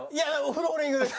フローリングです。